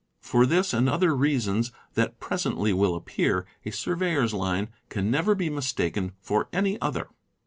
For this, and other reasons that presently will appear, a surveyor's line can never be mistaken for any other.